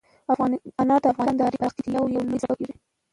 انار د افغانستان د ښاري پراختیا یو لوی سبب کېږي.